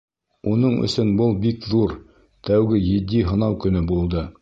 Уның өсөн был бик ҙур, тәүге етди һынау көнө булды.